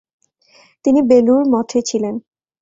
তিনি বেলুড় মঠে ছিলেন।